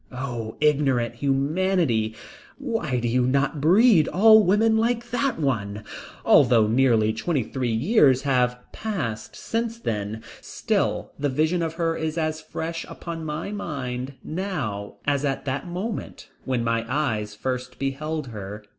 Oh, ignorant humanity, why do you not breed all women like that one? Although nearly twenty three years have passed since then, still the vision of her is as fresh upon my mind now as at that moment when my eyes first beheld her.